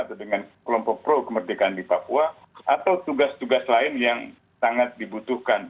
atau dengan kelompok pro kemerdekaan di papua atau tugas tugas lain yang sangat dibutuhkan